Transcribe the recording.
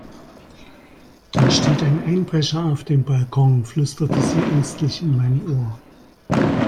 Da steht ein Einbrecher auf dem Balkon, flüsterte sie ängstlich in mein Ohr.